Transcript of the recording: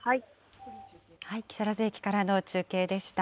木更津駅からの中継でした。